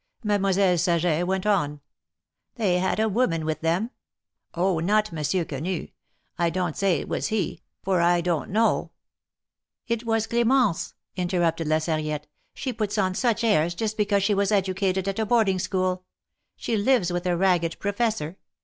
Mademoiselle Saget went on ; ''They had a woman with them. Oh! not Monsieur Quenu. I donT say it was he, for I don't know —"" It was Clemence," interrupted La Sarriette. " She puts on such airs just because she was educated at a boarding school. She lives with a ragged Professor.